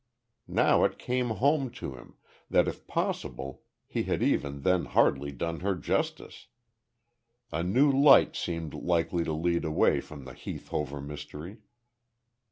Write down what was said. Now it came home to him, that if possible, he had even then hardly done her justice. A new light seemed likely to lead away from the Heath Hover mystery.